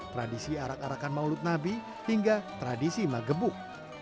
tradisi arak arakan maulid nabi hingga tradisi magebuk